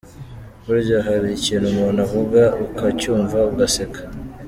Burya hari ikintu umuntu avuga, ukacyumva ugaseka.